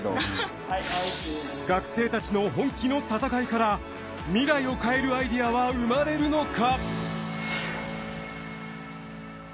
学生たちの本気の戦いから未来を変えるアイデアは生まれるのか？